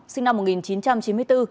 sinh năm một nghìn chín trăm chín mươi bốn